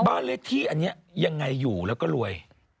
บ้านเลขที่อันนี้ยังไงอยู่แล้วก็รวย